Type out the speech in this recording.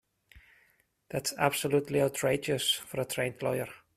That's absolutely outrageous for a trained lawyer.